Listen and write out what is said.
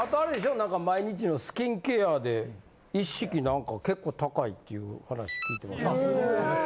なんか毎日のスキンケアで一式なんか結構高いっていう話聞いてます。